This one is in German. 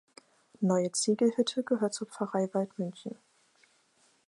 Neue Ziegelhütte gehört zur Pfarrei Waldmünchen.